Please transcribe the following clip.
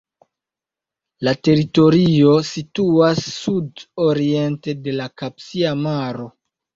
La teritorio situas sudoriente de la Kaspia Maro.